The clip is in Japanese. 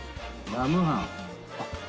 ラムハン。